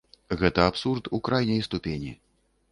Гэта абсурд у крайняй ступені.